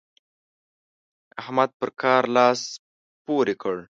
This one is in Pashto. احمد پر کار لاس پورې کړ.